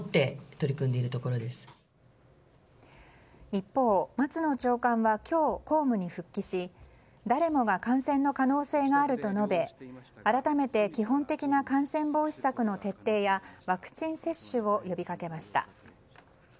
一方、松野長官は今日公務に復帰し誰もが感染の可能性があると述べ改めて基本的な感染防止策の徹底やワクチン接種を呼びかけました。